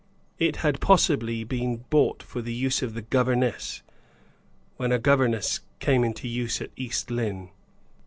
It had possibly been bought for the use of the governess, when a governess came into use at East Lynne.